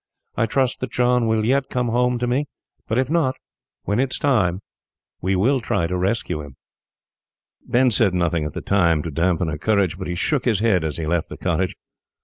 I trust that John will yet come home to me, but if not, when it is time, we will try to rescue him." Ben said nothing, at the time, to damp her courage; but he shook his head, as he left the cottage.